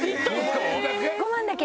５万円だけ？